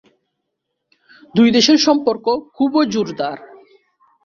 দুই দেশের সম্পর্ক খুবই জোরদার।